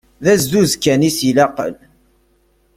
D azduz kan i as-ilaqen.